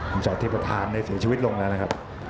คุณสอธิปฐานได้เสียชีวิตลงแล้วนะครับ